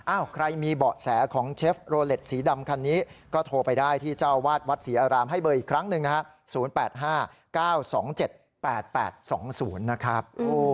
ใครมีเบาะแสของเชฟโรเล็ตสีดำคันนี้ก็โทรไปได้ที่เจ้าวาดวัดศรีอารามให้เบอร์อีกครั้งหนึ่งนะฮะ๐๘๕๙๒๗๘๘๒๐นะครับ